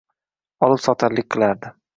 Olib-sotarlik qilardi.